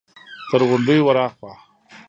تر غونډيو ور هاخوا!